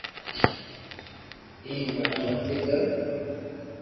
ايم ڀللا متي ڪر